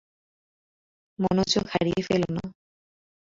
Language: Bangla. মনোযোগ হারিয়ে ফেলো না।